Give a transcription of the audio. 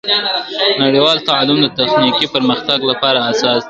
نړیوال تعامل د تخنیکي پرمختګ لپاره اساس دی.